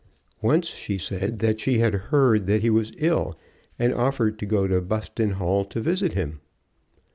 Once she said that she had heard that he was ill, and offered to go to Buston Hall to visit him.